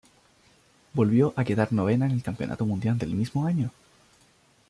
Volvió a quedar novena en el Campeonato Mundial del mismo año.